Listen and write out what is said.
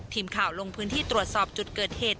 ทีมข่าวลงพื้นที่ตรวจสอบจุดเกิดเหตุ